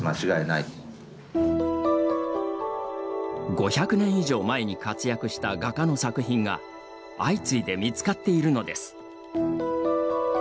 ５００年以上前に活躍した画家の作品が相次いで見つかっているのです。